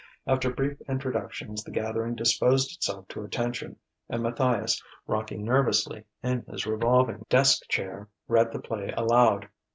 After brief introductions, the gathering disposed itself to attention, and Matthias, rocking nervously in his revolving desk chair, read the play aloud.